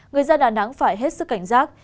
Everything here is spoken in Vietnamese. người dân đà nẵng phải hết sức cảnh giác